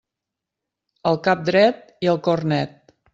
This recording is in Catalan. El cap dret i el cor net.